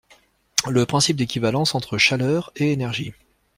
le principe d'équivalence entre chaleur et énergie.